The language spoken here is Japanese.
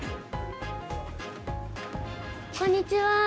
こんにちは。